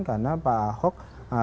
karena pak ahok